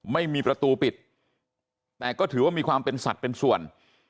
ไม่มีประตูปิดแต่ก็ถือว่ามีความเป็นสัตว์เป็นส่วน